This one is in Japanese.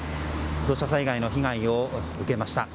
土砂災害の被害を受けました。